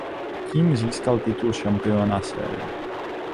Tím získal titul šampiona série.